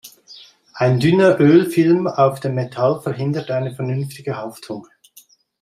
Ein dünner Ölfilm auf dem Metall verhindert eine vernünftige Haftung.